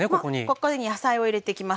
ここに野菜を入れていきます。